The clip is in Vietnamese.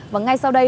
và ngay sau đây